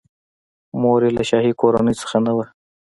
مور یې له شاهي کورنۍ څخه نه وه.